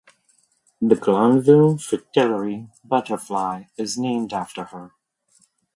The Glanville fritillary butterfly is named after her.